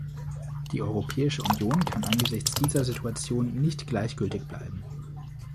Die Europäische Union kann angesichts dieser Situation nicht gleichgültig bleiben.